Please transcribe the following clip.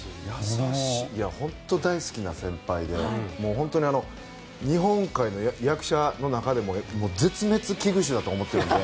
本当、大好きな先輩で本当に日本の役者の中でも絶滅危惧種だと思っているので。